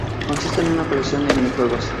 Consiste en una colección de minijuegos.